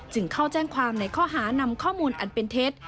เข้าแจ้งความในข้อหานำข้อมูลอันเป็นเท็จ